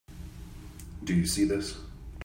Do you see this?